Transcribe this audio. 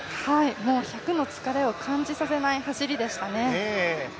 １００の疲れを感じさせない走りでしたね。